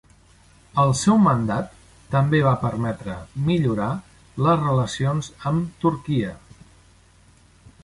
El seu mandat també va permetre millorar les relacions amb Turquia.